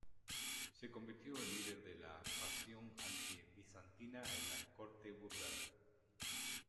Se convirtió en líder de la facción anti-bizantina en la corte búlgara.